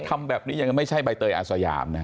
ทำแบบนี้ยังไม่ใช่ใบเตยอาสยามนะฮะ